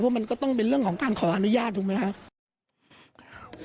มันก็ต้องเป็นเรื่องของการขออนุญาตถูกไหมครับ